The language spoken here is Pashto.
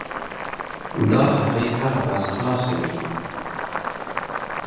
دا هټۍ هره ورځ خلاصه وي.